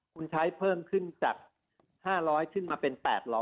คุณใช้เพิ่มขึ้นจาก๕๐๐ขึ้นมาเป็น๘๐๐